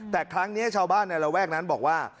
แต่ครั้งนี้ชาวบ้านในระแวกนั้นบอกว่า